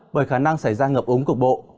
bởi khả năng xảy ra ngập ống cục bộ